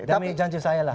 demi janji saya lah